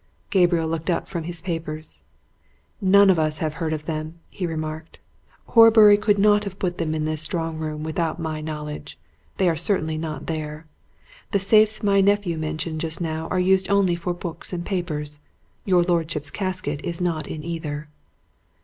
Gabriel looked up from his papers. "None of us have heard of them," he remarked. "Horbury could not have put them in this strong room without my knowledge. They are certainly not there. The safes my nephew mentioned just now are used only for books and papers. Your lordship's casket is not in either."